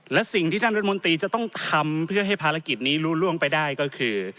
และสิ่งที่ท่านรัฐมนตรีจะต้องทำเพื่อให้ภารกิจนี้รู้ล่วงไปได้ก็คือ